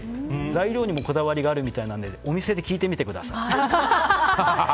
材料にもこだわりがあるみたいなのでお店で聞いてみてください。